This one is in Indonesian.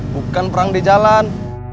bukan perang di jalan